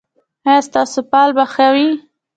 ایا ستاسو فال به ښه وي؟